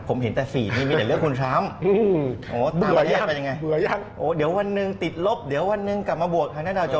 ผมเห็นแต่๔นี่มีแต่เลือกคุณตี่ทรัมพ์